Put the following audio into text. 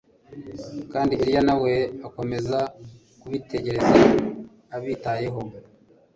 kandi Eliya na we akomeza kubitegereza abitayeho